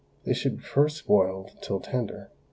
They should be first boiled till tender.